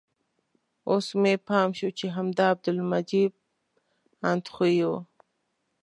اوس مې پام شو چې همدا عبدالمجید اندخویي و.